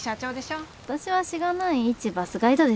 私はしがないいちバスガイドですよ。